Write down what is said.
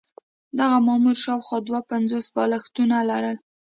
دغه مامور شاوخوا دوه پنځوس بالښتونه لرل.